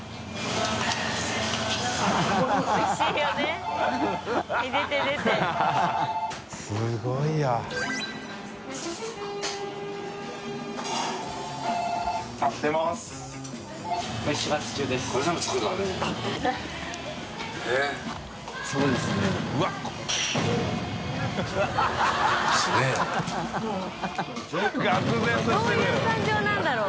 討襪茵どういう感情なんだろう？